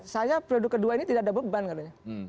saya periode kedua ini tidak ada beban katanya